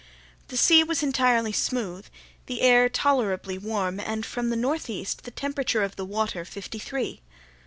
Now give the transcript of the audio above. The sea was entirely smooth, the air tolerably warm and from the northeast, the temperature of the water fifty three.